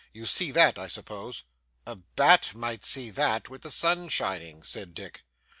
You see that, I suppose?' 'A bat might see that, with the sun shining,' said Dick.